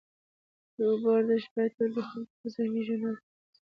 د اوبو ارزښت باید تل د خلکو په ذهن کي ژوندی وساتل سي.